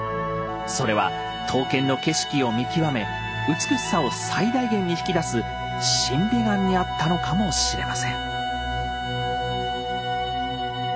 それは刀剣の景色を見極め美しさを最大限に引き出す審美眼にあったのかもしれません。